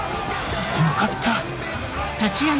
よかった。